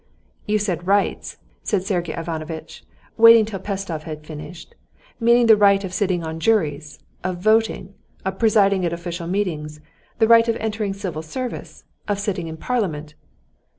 "You said rights," said Sergey Ivanovitch, waiting till Pestsov had finished, "meaning the right of sitting on juries, of voting, of presiding at official meetings, the right of entering the civil service, of sitting in parliament...."